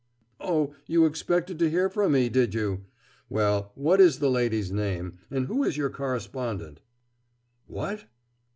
Oh, you expected to hear from me, did you? Well, what is the lady's name, and who is your correspondent?... What?